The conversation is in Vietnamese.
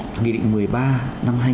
quy định như thế nào về dữ liệu cá nhân